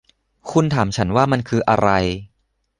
คุณถามฉันว่ามันคืออะไร